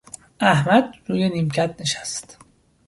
احمد روی نیمکت نشست.